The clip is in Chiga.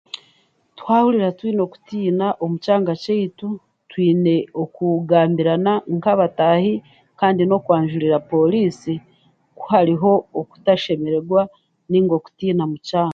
Twahurira twine okutiina omu kyanga kyaitu twine okugambirana nk'abataahi kandi n'okwanjurira poriisi kuhariho okutashemererwa nainga okutiina omu kyanga